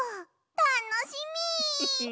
たのしみ！